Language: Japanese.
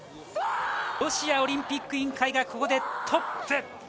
ロシアオリンピック委員会はここでトップ。